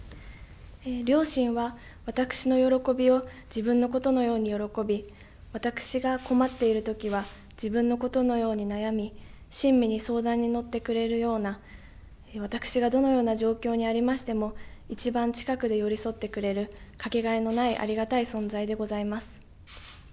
両親は私の喜びを自分のことのように喜び私が困っているときは自分のことのように悩み親身に相談に乗ってくれるような私がどのような状況にありましてもいちばん近くで寄り添ってくれる掛けがえのないありがたい存在でございます。